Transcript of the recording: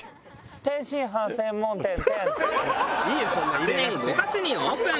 昨年５月にオープン。